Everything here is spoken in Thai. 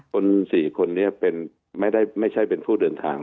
๔คนนี้ไม่ใช่เป็นผู้เดินทาง